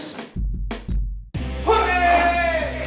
lu cuma ngambil alih kalau gak dikejam